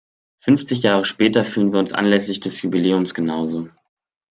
Fünfzig Jahre später fühlen wir uns anlässlich des Jubiläums genauso.